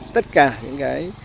tất cả những cái